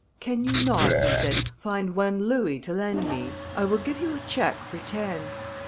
"Can you not," he said, "find one louis to lend me? I will give you a cheque for ten."